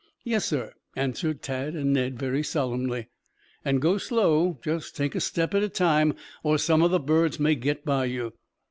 "Yes, sir," answered Tad and Ned very solemnly. "And go slow. Just take a step at a time, or some of the birds may get by you."